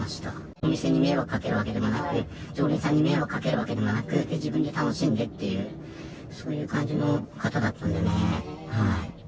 お店に迷惑かけるわけでもなく、常連さんに迷惑かけるわけでもなく、自分で楽しんでっていう、そういう感じの方だったんでね。